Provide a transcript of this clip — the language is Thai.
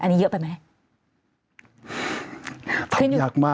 อันนี้เยอะไปไหม